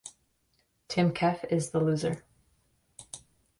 Tim Keefe is the loser.